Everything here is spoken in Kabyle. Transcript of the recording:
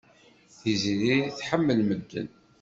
Tiziri tḥemmel medden.